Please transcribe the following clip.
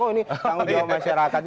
oh ini tanggung jawab masyarakat